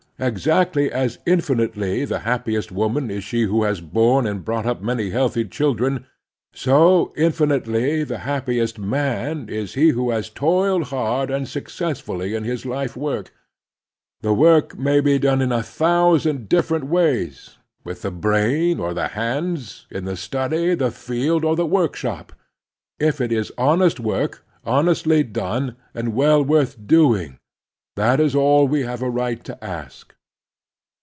Exactly as infinitely the happiest woman is she who has borne and brought up many healthy children, so infi nitely the happiest man is he who has toiled hard and successfully in his life work. The work may be done in a thousand different ways — ^with the brain or the hands, in the study, the field, or the workshop — ^if it is honest work, honestly done and well worth doing, that is all we have a right to ask.